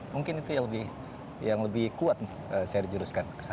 mungkin itu yang lebih kuat saya juruskan